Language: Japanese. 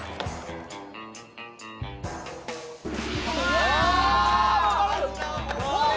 うわ！